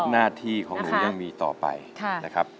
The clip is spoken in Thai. หน้าที่ของหนูยังมีต่อไปนะครับ